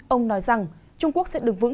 ông nói rằng trung quốc sẽ đứng vững